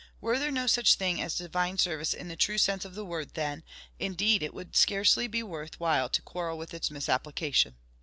"Were there no such thing as Divine Service in the true sense of the word, then, indeed it would scarcely be worth while to quarrel with its misapplication.